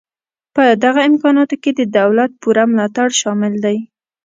په دغه امکاناتو کې د دولت پوره ملاتړ شامل دی